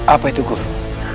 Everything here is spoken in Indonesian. apa itu guru